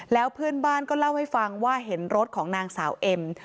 แล้วเพื่อนบ้านก็เล่าให้ฟังว่าเห็นรถของนางสาวเอ็ม